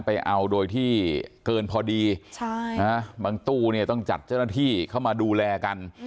ไปเอาโดยที่เกินพอดีบางตู้เนี่ยต้องจัดเจ้าหน้าที่เข้ามาดูแลกัน